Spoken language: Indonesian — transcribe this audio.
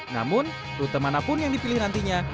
namun rute manapun yang dipilih nantinya